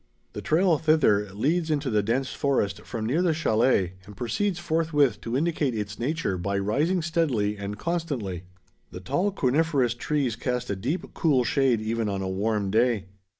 The trail thither leads into the dense forest from near the chalet and proceeds forthwith to indicate its nature by rising steadily and constantly. The tall coniferous trees cast a deep cool shade even on a warm day.